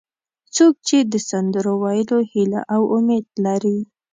څوک چې د سندرو ویلو هیله او امید لري.